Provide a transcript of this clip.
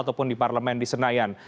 ataupun di parlemen di senayan